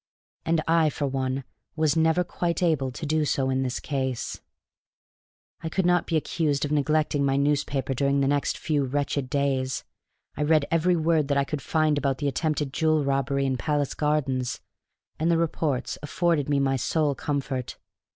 And I, for one, was never quite able to do so in this case. I could not be accused of neglecting my newspaper during the next few wretched days. I read every word that I could find about the attempted jewel robbery in Palace Gardens, and the reports afforded me my sole comfort.